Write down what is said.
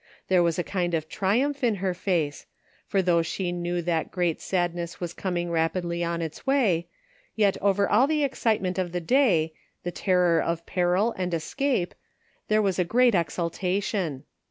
There was a kind of triumph in her face, for though she knew that great sadness was com ing rapidly on its way, yet over all the excitement of the day, the terror of peril and escape, there was a great exultation.